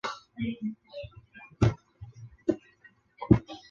他抵达米斯龙德的精灵王国重新建交。